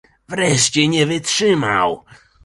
Wreszcie nie wytrzymał.